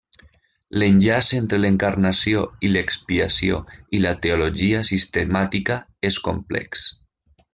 L'enllaç entre l'Encarnació i l'expiació i la teologia sistemàtica és complex.